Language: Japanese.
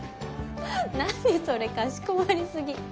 何それかしこまり過ぎ。